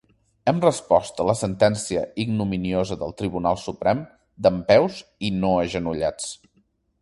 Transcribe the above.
Hem respost a la sentència ignominiosa del Tribunal Suprem, dempeus i no agenollats.